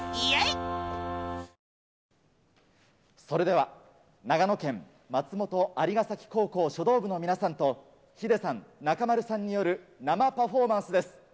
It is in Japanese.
それでは、長野県、松本蟻ヶ崎高校書道部の皆さんと、ヒデさん、中丸さんによる生パフォーマンスです。